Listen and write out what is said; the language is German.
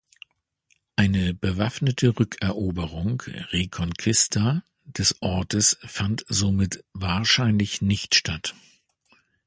Eine bewaffnete Rückeroberung "(reconquista)" des Ortes fand somit wahrscheinlich nicht statt.